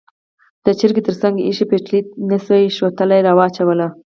د چرګۍ تر څنګ ایښې پتیلې نه یې شوتله راواچوله.